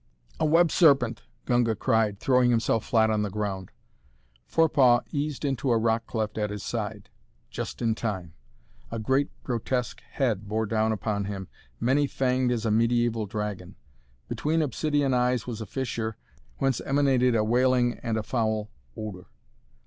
"A web serpent!" Gunga cried, throwing himself flat on the ground. Forepaugh eased into a rock cleft at his side. Just in time. A great grotesque head bore down upon him, many fanged as a medieval dragon. Between obsidian eyes was a fissure whence emanated a wailing and a foul odor.